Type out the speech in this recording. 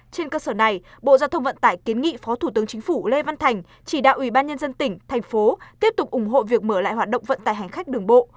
trên cơ sở này bộ giao thông vận tải kiến nghị phó thủ tướng chính phủ lê văn thành chỉ đạo ủy ban nhân dân tỉnh thành phố tiếp tục ủng hộ việc mở lại hoạt động vận tải hành khách đường bộ